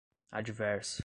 adversa